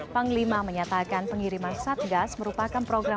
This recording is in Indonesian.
panglima menyatakan pengiriman satgas merupakan program